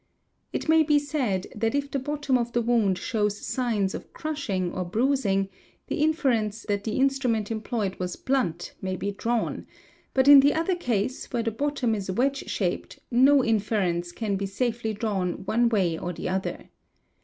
It may be said that if the bottom of the wound shows » signs of crushing or bruising, the inference that the instrument employed " was blunt may be drawn; but in the other case, where the bottom is . wedge shaped, no inference can be safely drawn one way or the other.